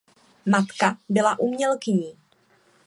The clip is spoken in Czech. Matka byla umělkyní.